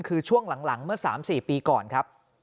คือช่วงหลังเมื่อ๓๔ปีก่อนครับ